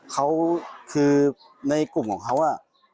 เขาคือในกลุ่มของเขา